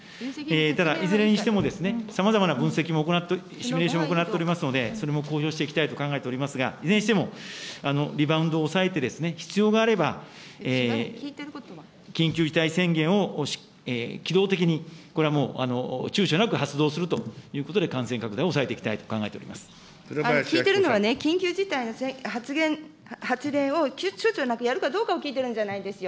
ただいずれにしても、さまざまな分析を行って、シミュレーションを行っておりますので、それも公表していきたいと考えておりますが、いずれにしてもリバウンドを抑えて、必要があれば、緊急事態宣言を機動的に、これはもうちゅうちょなく発動するということで、感染拡大を抑え聞いているのは緊急事態の発令をちゅうちょなくやるかどうかを聞いてるんじゃないんですよ。